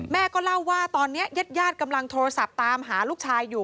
แม่ก็เล่าว่าตอนนี้ญาติญาติกำลังโทรศัพท์ตามหาลูกชายอยู่